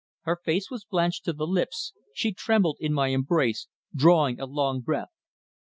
Her face was blanched to the lips, she trembled in my embrace, drawing a long breath.